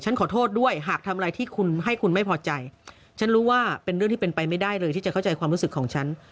ขอโทษด้วยหากทำอะไรที่คุณให้คุณไม่พอใจฉันรู้ว่าเป็นเรื่องที่เป็นไปไม่ได้เลยที่จะเข้าใจความรู้สึกของฉัน